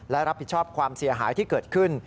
และรับผิดชอบความเสียหายที่เกิดขึ้น